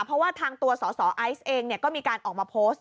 เพราะว่าทางตัวสสไอซ์เองก็มีการออกมาโพสต์